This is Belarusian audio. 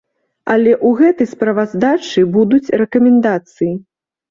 Але ў гэтай справаздачы будуць рэкамендацыі.